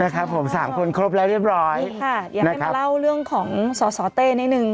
ครับผมสามคนครบแล้วเรียบร้อยค่ะอยากให้มาเล่าเรื่องของสอสอเต้นิดนึง